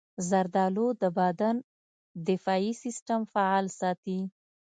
زردالو د بدن دفاعي سستم فعال ساتي.